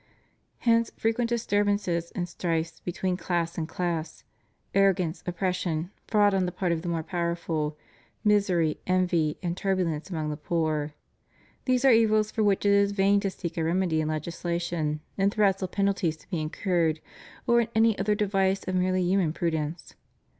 Hence frequent disturbances and strifes between class and class: arrogance, oppression, fraud on the part of the more powerful: misery, envy, and turbulence among the poor. These are evils for which it is in vain to seek a remedy in legislation, in threats of penalties to be incurred, or in any other device of merely human prudence.